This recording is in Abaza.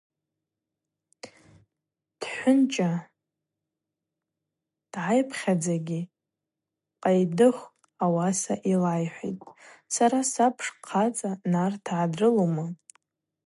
Дхӏвынчӏа дгӏайхпхьадзагьи Къайдыхв ауаса йлайхӏвитӏ: Сара сапш хъацӏа нартргӏа дрылума?